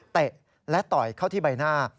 เตะและต่อยเข้าที่ใบหน้า